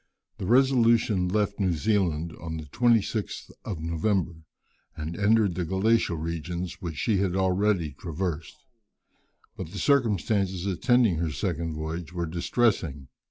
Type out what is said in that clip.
The Resolution left New Zealand on the 26th of November, and entered the glacial regions which she had already traversed; but the circumstances attending her second voyage were distressing.